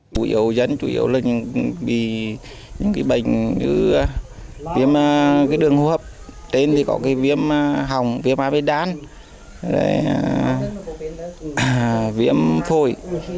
chủ yếu dân chủ yếu là những bệnh như viêm đường hô hợp viêm hồng viêm a b đan viêm phổi